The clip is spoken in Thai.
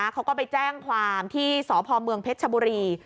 เขาก็ไปแจ้งความที่สพเผชชบุรี